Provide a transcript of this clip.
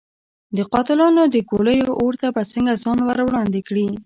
د قاتلانو د ګولیو اور ته به څنګه ځان ور وړاندې کړي.